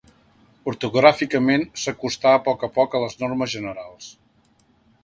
Ortogràficament, s'acostà a poc a poc a les normes generals.